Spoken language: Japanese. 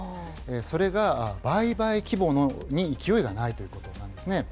それが売買規模に勢いがないということなんですね。